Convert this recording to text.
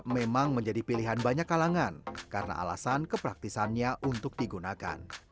memang menjadi pilihan banyak kalangan karena alasan kepraktisannya untuk digunakan